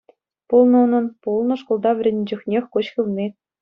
Пулнӑ унӑн, пулнӑ шкулта вӗреннӗ чухнех куҫ хывни.